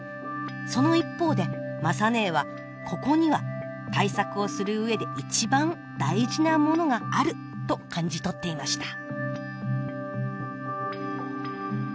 その一方で雅ねえはここには対策をする上で一番大事なものがあると感じ取っていました。